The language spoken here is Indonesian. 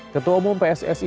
ketua umum pssi